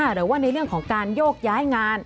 หรือว่าในเรื่องของการโยกย้ายงาน